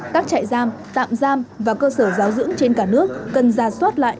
các chạy giam tạm giam và cơ sở giáo dưỡng trên cả nước cần giả soát lại